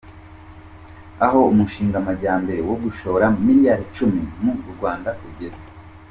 Aho umushinga Majyambere wo gushora miliyari icumi mu Rwanda ugeze